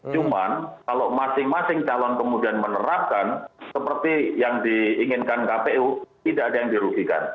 cuman kalau masing masing calon kemudian menerapkan seperti yang diinginkan kpu tidak ada yang dirugikan